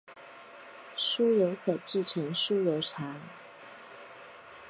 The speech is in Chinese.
酥油可制成酥油茶。